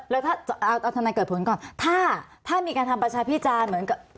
แล้วถ้าเอาธนายเกิดผลก่อนถ้ามีการทำประชาพิจารณ์เหมือนกับ